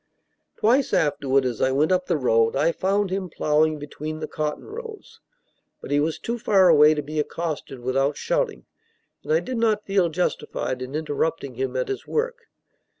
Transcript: Twice afterward, as I went up the road, I found him ploughing between the cotton rows; but he was too far away to be accosted without shouting, and I did not feel justified in interrupting him at his work.